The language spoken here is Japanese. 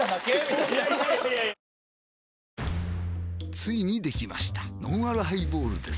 ついにできましたのんあるハイボールです